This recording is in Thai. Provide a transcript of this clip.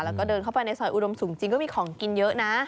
แล้วก็เดินเข้าไปในซอยอุดมสูงจริงก็มีของกินเยอะนะ